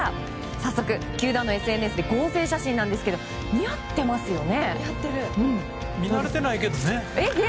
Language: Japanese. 早速、球団のＳＮＳ写真で合成写真なんですが似合っていますよね。